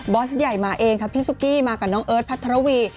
อสใหญ่มาเองครับพี่ซุกี้มากับน้องเอิร์ทพัทรวี